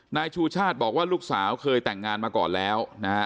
นายชูชาติบอกว่าลูกสาวเคยแต่งงานมาก่อนแล้วนะฮะ